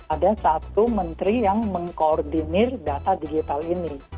ada satu menteri yang mengkoordinir data digital ini